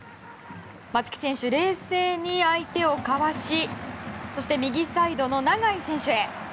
松木選手、冷静に相手をかわし右サイドの永井選手へ。